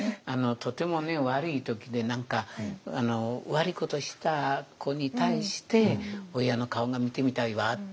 とてもね悪い時で何か悪いことをした子に対して「親の顔が見てみたいわ」と。